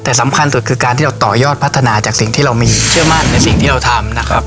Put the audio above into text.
แต่สำคัญสุดคือการที่เราต่อยอดพัฒนาจากสิ่งที่เรามีเชื่อมั่นในสิ่งที่เราทำนะครับ